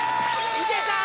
いけた！